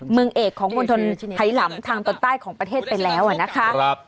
เมืองเอกของมณฑลไหลำทางตอนใต้ของประเทศไปแล้วนะคะ